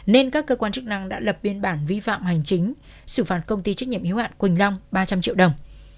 nên các cơ quan chức năng đã lập biên bản vi phạm hành chính xử phạt công ty trách nhiệm hiếu hạn quỳnh long ba trăm linh triệu đồng